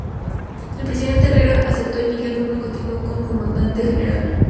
El presidente Herrera aceptó y Miguel Bruno continuó como Comandante general.